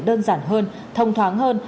đơn giản hơn thông thoáng hơn